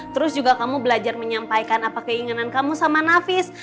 terus juga kamu belajar menyampaikan apa keinginan kamu sama nafis